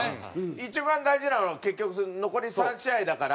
一番大事なのは結局残り３試合だから。